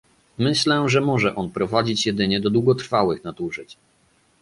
Myślę, że może on prowadzić jedynie do długotrwałych nadużyć